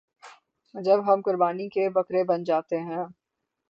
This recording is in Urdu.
جب ہم قربانی کے بکرے بن جاتے ہیں۔